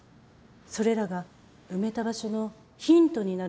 それらが埋めた場所のヒントになるかもしれません。